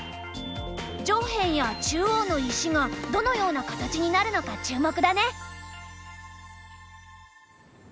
上辺や中央の石がどのような形になるのか注目だね。